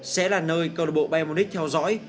sẽ là nơi cơ đội bộ bayern munich theo dõi